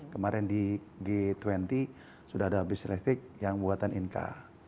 kemarin di g dua puluh sudah ada bus elektrik yang buatan inca